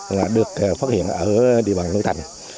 nó được phát hiện ở địa bàn núi thành